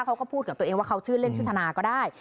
เขาก็พูดกับตัวเองว่าเขาชื่อเล่นชื่อธนาก็ได้